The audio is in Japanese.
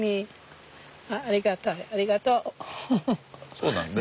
そうなのね。